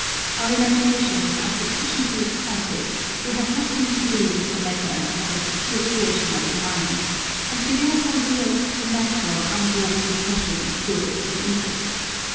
Our imaginations are sufficiently excited, we have nothing to do with the matter but as a pure creation of the mind, and we therefore yield to the natural, unwarped impression of good and evil.